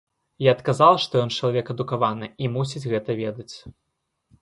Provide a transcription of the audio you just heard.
Я адказала, што ён чалавек адукаваны, і мусіць гэта ведаць.